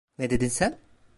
Ne dedin sen?